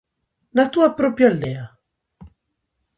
Na túa propia aldea?